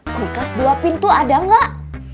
kulkas dua pintu ada nggak